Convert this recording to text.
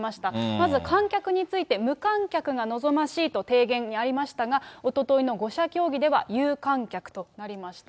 まず観客について、無観客が望ましいと提言にありましたが、おとといの５者協議では有観客となりました。